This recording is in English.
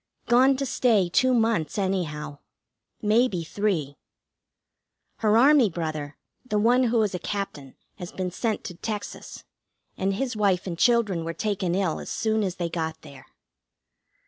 Gone to stay two months, anyhow. Maybe three. Her Army brother, the one who is a Captain, has been sent to Texas, and his wife and children were taken ill as soon as they got there.